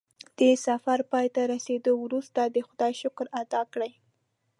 د سفر پای ته رسېدو وروسته د خدای شکر ادا کړه.